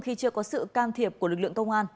khi chưa có sự can thiệp của lực lượng công an